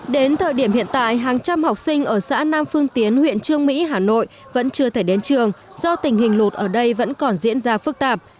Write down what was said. đến thời điểm hiện tại hàng trăm học sinh ở xã nam phương tiến huyện trương mỹ hà nội vẫn chưa thể đến trường do tình hình lụt ở đây vẫn còn diễn ra phức tạp